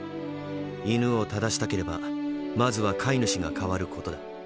犬を正したければまずは飼い主が変わることだ。